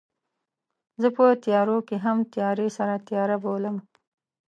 زه په تیارو کې هم تیارې سره تیارې بلوم